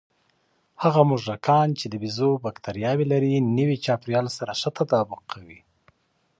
هغه موږکان چې د بیزو بکتریاوې لري، نوي چاپېریال سره ښه تطابق کوي.